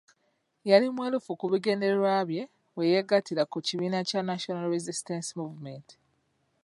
Yali mwerufu ku bigendererwa bye we yegattira ku kibiina kya National Resisitance Movement.